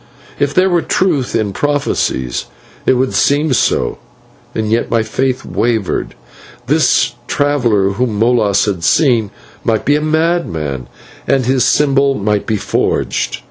If there were truth in prophecies it would seem so, and yet my faith wavered. This traveller, whom Molas had seen, might be a madman, and his symbol might be forged.